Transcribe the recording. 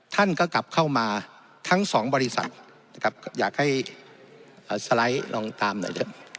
ท่านก็กลับเข้ามาทั้ง๒บริษัทอยากให้สไลด์ลองตามหน่อย